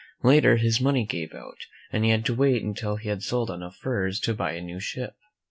Later, his money gave out, and he had to wait until he had sold enough furs to buy a new ship.